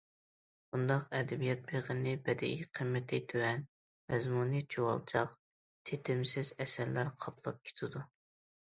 بۇنداق ئەدەبىيات بېغىنى بەدىئىي قىممىتى تۆۋەن، مەزمۇنى چۇۋالچاق، تېتىمسىز ئەسەرلەر قاپلاپ كېتىدۇ.